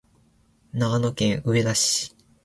長野県上田市